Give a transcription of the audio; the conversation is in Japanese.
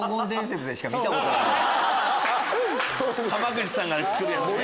濱口さんが作るやつね。